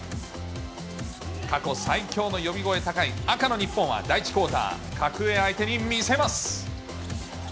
過去最強の呼び声高い赤の日本は第１クオーター、格上相手に見せ